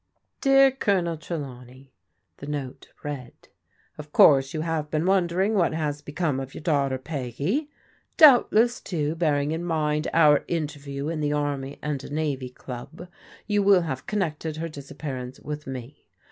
"Dear Colonel Trelawney," the note read, "Of course you have been wondering what has become of your daughter Peggy. Doubtless, too, bearing in mind our interview in the Army and Navy Club, you will have connected her disappearance with me.